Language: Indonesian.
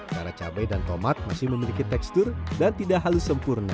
karena cabai dan tomat masih memiliki tekstur dan tidak halus sempurna